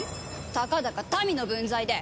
たかだか民の分際で。